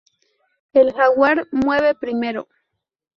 El jaguar mueve primero.